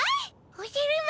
おじゃる丸